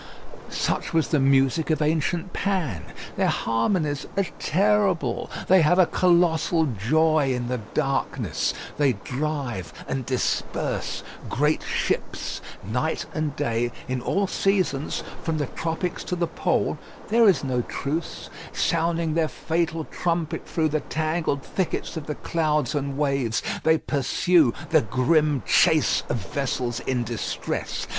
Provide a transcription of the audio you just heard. Such was the music of ancient Pan. Their harmonies are terrible. They have a colossal joy in the darkness. They drive and disperse great ships. Night and day, in all seasons, from the tropics to the pole, there is no truce; sounding their fatal trumpet through the tangled thickets of the clouds and waves, they pursue the grim chase of vessels in distress.